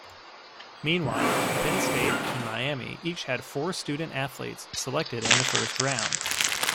Meanwhile, Penn State and Miami each had four student-athletes selected in the first round.